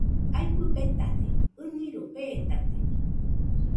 Aɨfɨ betade, ɨniroi fetate.